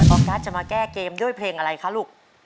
กัสจะมาแก้เกมด้วยเพลงอะไรคะลูก